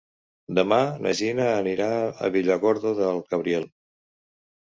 Demà na Gina anirà a Villargordo del Cabriel.